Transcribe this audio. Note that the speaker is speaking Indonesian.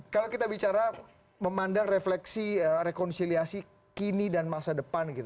kalau kita bicara memandang refleksi rekonsiliasi kini dan masa depan gitu